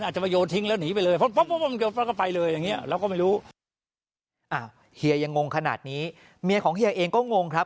เฮียยังงงขนาดนี้เมียของเฮียเองก็งงครับ